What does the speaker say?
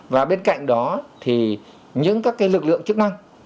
và bên cạnh đó thì những các lực lượng chức năng